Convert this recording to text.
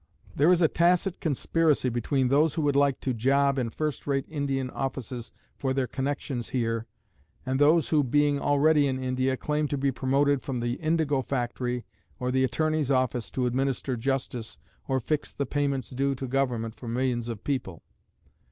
There is a tacit conspiracy between those who would like to job in first rate Indian offices for their connections here, and those who, being already in India, claim to be promoted from the indigo factory or the attorney's office to administer justice or fix the payments due to government from millions of people.